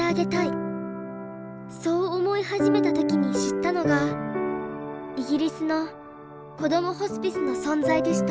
そう思い始めた時に知ったのがイギリスのこどもホスピスの存在でした。